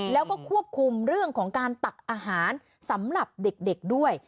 แล้วก็ควบคุมเรื่องของการตักอาหารสำหรับเด็กด้วย